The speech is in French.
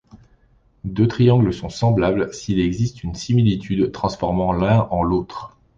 Deux triangles sont semblables s'il existe une similitude transformant l'un en l'autre.